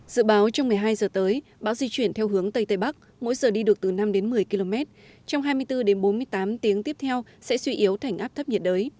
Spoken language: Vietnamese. dự báo trong một mươi hai giờ tới bão di chuyển theo hướng tây tây bắc mỗi giờ đi được từ năm đến một mươi km trong hai mươi bốn đến bốn mươi tám tiếng tiếp theo sẽ suy yếu thành áp thấp nhiệt đới